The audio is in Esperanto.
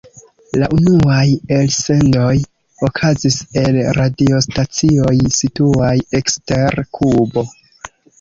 La unuaj elsendoj okazis el radiostacioj situaj ekster Kubo.